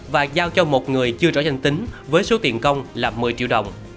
và giao cho một người chưa rõ danh tính với số tiền công là một mươi triệu đồng